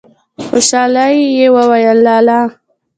خوشالی يې وويل: لا لا!